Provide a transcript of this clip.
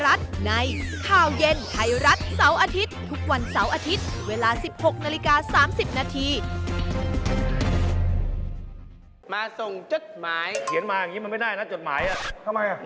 อันนั้นในสาระวาดสนุกครบแน่นอนคุณผู้ชมครับ